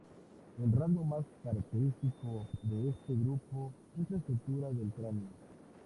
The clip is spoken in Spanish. El rasgo más característico de este grupo es la estructura del cráneo.